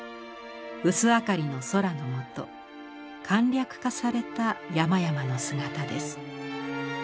薄明かりの空の下簡略化された山々の姿です。